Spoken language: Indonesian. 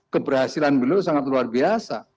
keberhasilan beliau sangat luar biasa